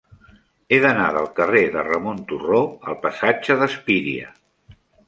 He d'anar del carrer de Ramon Turró al passatge d'Espíria.